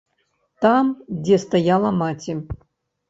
Там, дзе стаяла маці.